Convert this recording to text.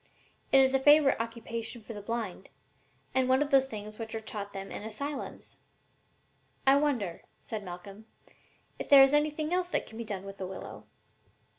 It is a favorite occupation for the blind, and one of the things which are taught them in asylums." "I wonder," said Malcolm, "if there is anything else that can be done with the willow?"